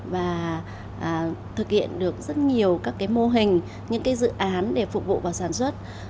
và thực hiện được rất nhiều các mô hình những dự án để phục vụ vào sản xuất